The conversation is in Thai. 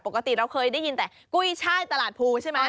ปกติเราเคยได้ยินแต่กุ้ยช่ายตลาดภูใช่ไหม